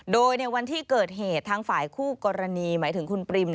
โดยในวันที่เกิดเหตุทางฝ่ายคู่กรณีหมายถึงคุณปริม